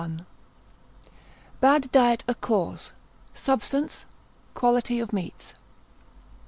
I.—Bad Diet a cause. Substance. Quality of Meats.